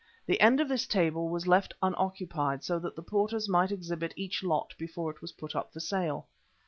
The end of this table was left unoccupied so that the porters might exhibit each lot before it was put up for sale.